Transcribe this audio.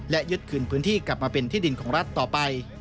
และยึดคืนพื้นที่กลับมาเป็นที่ดินของรัฐต่อไป